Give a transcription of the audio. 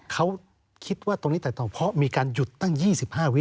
เขาคิดว่าตรงนี้แตกต่างเพราะมีการหยุดตั้ง๒๕วิ